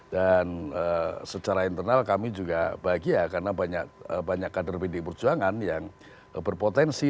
secara internal kami juga bahagia karena banyak kader pdi perjuangan yang berpotensi